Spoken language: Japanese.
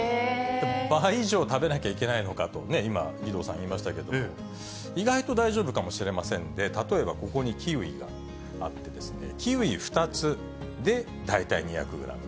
倍以上食べなきゃいけないのかと、今、義堂さん言いましたけど、意外と大丈夫かもしれませんで、例えばここにキウイがあって、キウイ２つで大体２００グラム。